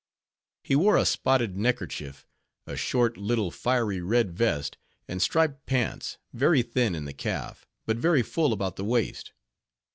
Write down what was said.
He wore a spotted neckerchief; a short, little, fiery red vest; and striped pants, very thin in the calf, but very full about the waist.